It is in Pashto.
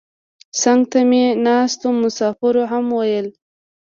څنګ ته مې ناستو مسافرو هم ویل.